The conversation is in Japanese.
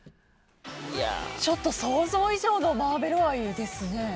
ちょっと想像以上のマーベル愛ですね。